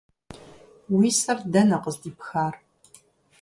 Уи сэр дэнэ къыздипхар?